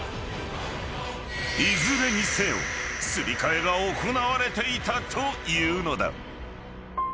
［いずれにせよすり替えが行われていたというのだ］